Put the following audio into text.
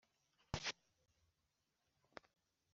yahise awufungura wose.